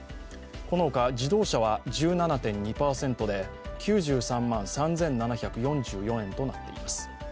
このほか自動車は１７．２％で９３万３７４４円となっています。